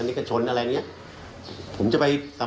ให้ข้อครัวผมร่มจมไปเลย